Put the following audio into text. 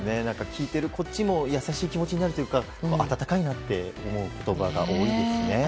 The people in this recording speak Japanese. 聞いてるこっちも優しい気持ちになるというか温かいなって思う言葉が多いですね。